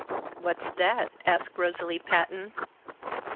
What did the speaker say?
"What's that?" asked Rosalie Patton.